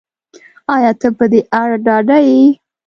ایا ته په دې اړه ډاډه یې